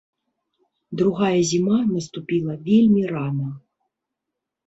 Другая зіма наступіла вельмі рана.